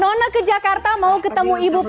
nono ke jakarta mau ketemu ibu kuspa